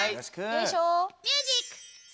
よいしょ！